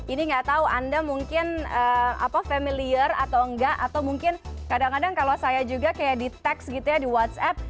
ini nggak tahu anda mungkin familiar atau enggak atau mungkin kadang kadang kalau saya juga kayak di text gitu ya di whatsapp